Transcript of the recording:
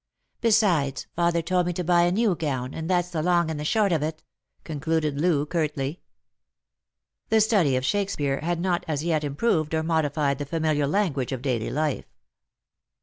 " Besides, father told me to buy a new gown, and that's the long and the short of it," concluded Loo curtly. The study of Shakespeare had not as yet improved or modi fied the familiar language of daily life.